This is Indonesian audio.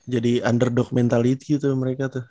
jadi underdog mentality itu mereka tuh